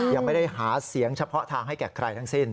ยังไม่ได้หาเสียงเฉพาะทางให้แก่ใครทั้งสิ้น